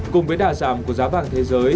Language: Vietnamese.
cùng với đả giảm của giá vàng thế giới